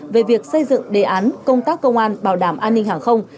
về việc xây dựng đề án công tác công an bảo đảm an ninh hàng không